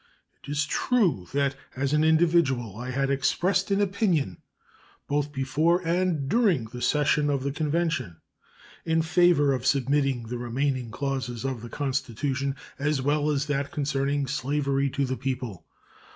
It is true that as an individual I had expressed an opinion, both before and during the session of the convention, in favor of submitting the remaining clauses of the constitution, as well as that concerning slavery, to the people.